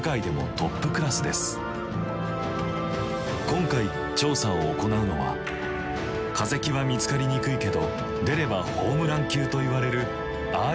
今回調査を行うのは化石は見つかりにくいけど出ればホームラン級といわれるアーリベクダグ。